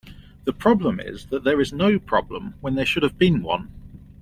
The problem is that there is no problem when there should have been one.